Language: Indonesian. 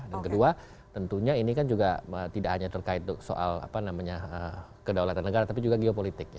dan kedua tentunya ini kan juga tidak hanya terkait soal kedaulatan negara tapi juga geopolitik